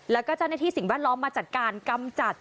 แล้วก็เจ้าหน้าที่สิ่งแวดล้อมมาจัดการกำจัด